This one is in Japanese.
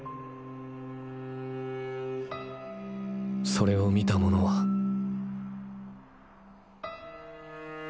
それを見た者はーー。